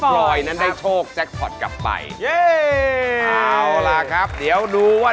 พระนายค่าเก่งสุขอย่างเที่ยวฟ้า